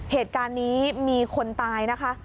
เหตุการณ์นี้มีคนตายนะคะ